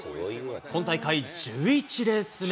今大会１１レース目。